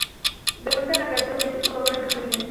De vuelta en la cárcel, Marge logra encajar bien.